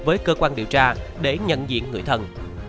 với cơ quan điều tra để nhận diện người thân